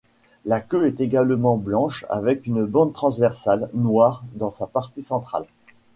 La queue est également blanche avec une bande transversale noire dans sa partie centrale.